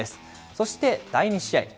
そして第２試合。